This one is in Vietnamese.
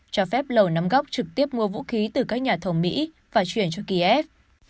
cho phép lầu nắm góc trực tiếp mua vũ khí từ các nhà thầu mỹ và chuyển cho kiev